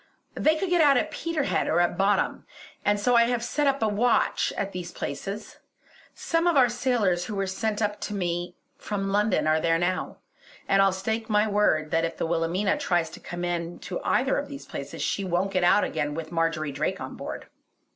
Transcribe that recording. They could get out at Peterhead or at Boddam, and so I have set a watch at these places. Some of our sailors who were sent up to me from London are there now, and I'll stake my word that if the Wilhelmina tries to come in to either of these places she won't get out again with Marjory Drake on board.